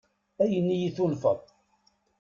Ayen i yi-tunfeḍ?